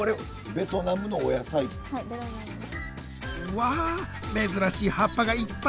わあ珍しい葉っぱがいっぱい。